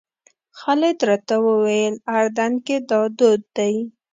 خالد راته وویل اردن کې دا دود دی.